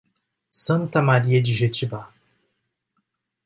Santa Maria de Jetibá